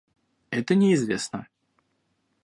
Это неизвестно